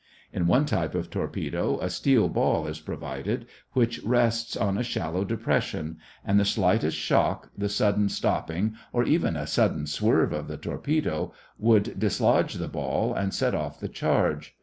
In one type of torpedo a steel ball is provided which rests in a shallow depression and the slightest shock, the sudden stopping or even a sudden swerve of the torpedo, would dislodge the ball and set off the charge.